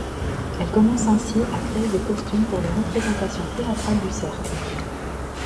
Elle commence ainsi à créer des costumes pour les représentations théâtrales du Cercle.